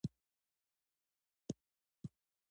ازادي راډیو د طبیعي پېښې په اړه د استادانو شننې خپرې کړي.